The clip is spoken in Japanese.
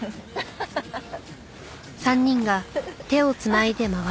ハハハハ！